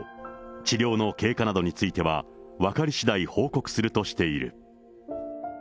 治療の経過などについては、分かりしだい報告するとしている。